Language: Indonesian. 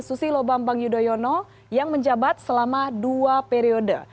susilo bambang yudhoyono yang menjabat selama dua periode